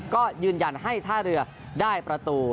ก็ยืนยันให้ท่าเรือได้ประตู